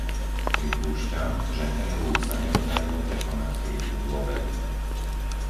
Pripúšťa, že EÚ sa nepodarilo prekonať krízu dôvery.